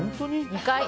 ２回。